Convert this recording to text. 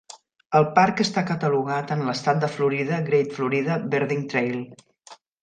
El parc està catalogat en l'estat de Florida Great Florida Birding Trail